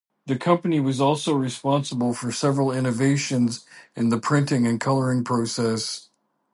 The company was also responsible for several innovations in the printing and coloring process.